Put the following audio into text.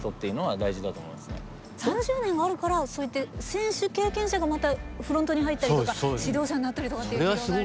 ３０年あるからそうやって選手経験者がまたフロントに入ったりとか指導者になったりとかっていう広がりがね。